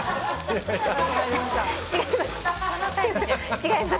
違います。